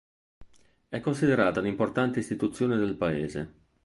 È considerata un'importante istituzione del Paese.